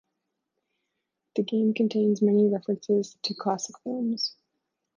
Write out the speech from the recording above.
The game contains many references to classic films.